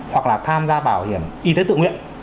hoặc là tham gia bảo hiểm y tế tự nguyện